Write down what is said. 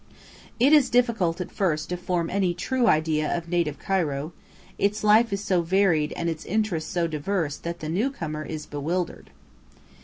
It is difficult at first to form any true idea of native Cairo; its life is so varied and its interests so diverse that the new comer is bewildered.